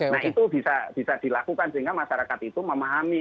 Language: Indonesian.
nah itu bisa dilakukan sehingga masyarakat itu memahami